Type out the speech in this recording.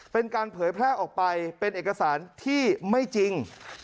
เป็นการเผยแพร่ออกไปเป็นเอกสารที่ไม่จริง